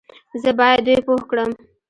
زه بايد دوی پوه کړم